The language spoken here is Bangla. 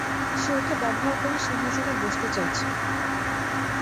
সে ওকে ব্যবহার করে সিংহাসনে বসতে চাইছে।